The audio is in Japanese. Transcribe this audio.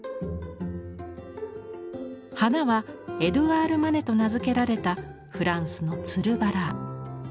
花は「エドゥアール・マネ」と名付けられたフランスのつるバラ。